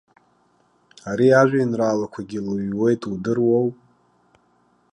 Ари ажәеинраалақәагьы лыҩуеит, удыруоу?